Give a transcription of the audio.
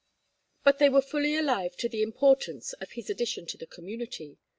But they were fully alive to the importance of his addition to the community.